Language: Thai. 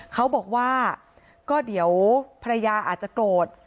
เขาบอกว่าก็เดี๋ยวภรรยาอาจจะโกรธ